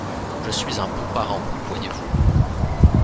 Je suis un bon parent, voyez-vous.